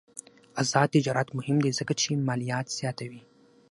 آزاد تجارت مهم دی ځکه چې مالیات زیاتوي.